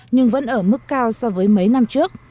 nhưng vẫn ở mức cao so với mấy năm trước